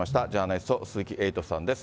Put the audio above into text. ジャーナリスト、鈴木エイトさんです。